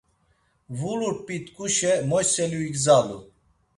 Vulur p̌i tkuşe moyselu, igzalu.